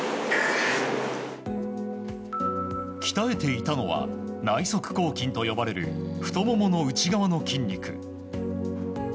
鍛えていたのは内側広筋と呼ばれる太ももの内側の筋肉。